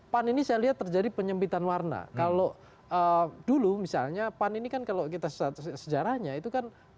pan ini saya lihat terjadi penyempitan warna kalau dulu misalnya pan ini kan kalau kita sejarahnya itu kan